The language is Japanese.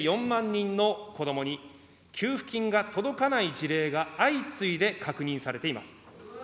４万人の子どもに、給付金が届かない事例が相次いで確認されています。